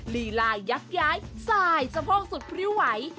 รีลายักษ์ย้ายสายสะพองสุดพริวไหว